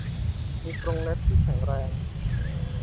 มีกรงเล็บที่แข็งแรง